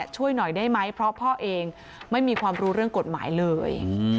ช่วยหน่อยได้ไหมเพราะพ่อเองไม่มีความรู้เรื่องกฎหมายเลย